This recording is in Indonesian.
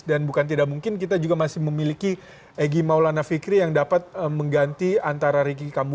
dan bukan tidak mungkin kita juga masih memiliki egy maulana fikri yang dapat mengganti antara ricky kambuaya witan sulaiman asnawi dan juga asnawi